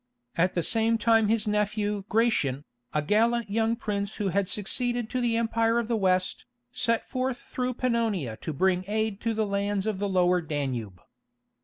At the same time his nephew Gratian, a gallant young prince who had succeeded to the Empire of the West, set forth through Pannonia to bring aid to the lands of the Lower Danube.